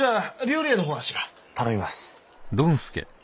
頼みます。